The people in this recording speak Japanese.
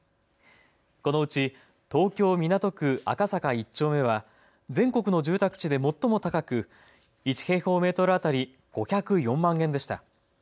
このうち東京港区赤坂１丁目は全国の住宅地で最も高く１平方メートル当たり５０４万円でした。